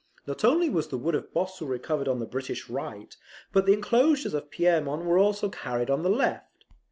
Not only was the wood of Bossu recovered on the British right, but the inclosures of Pierremont were also carried on the left.